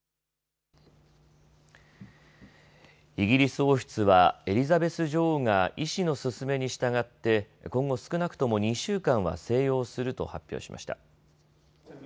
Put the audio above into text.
イギリス王室はエリザベス女王が医師の勧めに従って今後少なくとも２週間は静養すると発表しました。